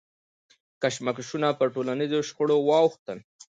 کشمکشونه پر ټولنیزو شخړو واوښتل.